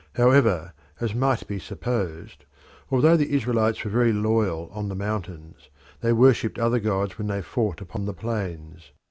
However, as might be supposed, although the Israelites were very loyal on the mountains, they worshipped other gods when they fought upon the plains.